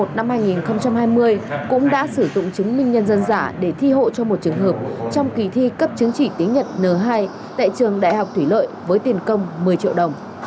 năm hai nghìn hai mươi cũng đã sử dụng chứng minh nhân dân giả để thi hộ cho một trường hợp trong kỳ thi cấp chứng chỉ tiếng nhật n hai tại trường đại học thủy lợi với tiền công một mươi triệu đồng